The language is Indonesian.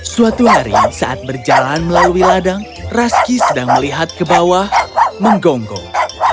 suatu hari saat berjalan melalui ladang raski sedang melihat ke bawah menggonggong